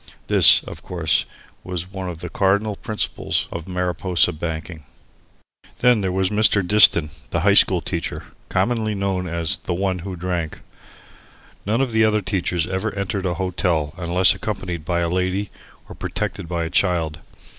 This, of course, was one of the cardinal principles of Mariposa banking. Then there was Mr. Diston, the high school teacher, commonly known as the "one who drank." None of the other teachers ever entered a hotel unless accompanied by a lady or protected by a child.